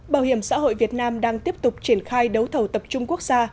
bảo hiểm xã hội việt nam đang tiếp tục triển khai đấu thầu tập trung quốc gia